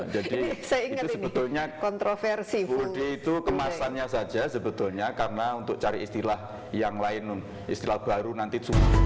jadi saya ingat ini full day itu kemasannya saja sebetulnya karena untuk cari istilah yang lain istilah baru nanti